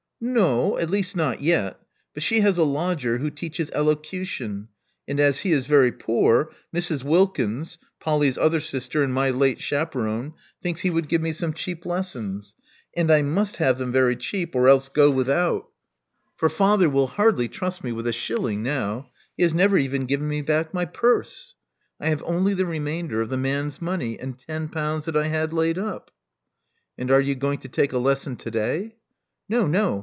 "No. At least not yet. But she has a lodger who teaches elocution; and as he is very poor, Mrs. Wilkins — Polly's other sister and my late chaperon — thinks he would give me some cheap lessons. And I must have them very cheap, or else go without; for 84 Love Among the Artists father will hardly trust me with a shilling now. He has never even given me back my purse. I have only the remainder of the man's money, and ten pounds that I had laid up." And are you going to take a lesson to day?" No, no.